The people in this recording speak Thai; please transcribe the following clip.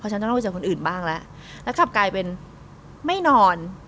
ฉันต้องไปเจอคนอื่นบ้างแล้วแล้วกลับกลายเป็นไม่นอน